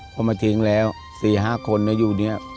พอมาทิ้งแล้ว๔๕คนนะอยู่เนี่ย